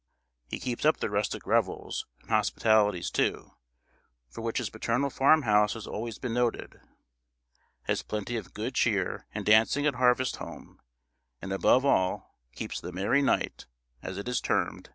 He keeps up the rustic revels, and hospitalities too, for which his paternal farm house has always been noted; has plenty of good cheer and dancing at harvest home, and above all, keeps the "merry night,"[A] as it is termed, at Christmas.